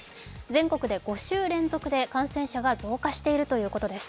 全国で５週連続で感染者が増加しているということです。